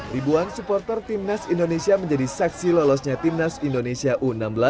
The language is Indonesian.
ribuan supporter timnas indonesia menjadi saksi lolosnya timnas indonesia u enam belas